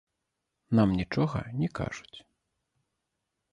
Нам нічога не кажуць.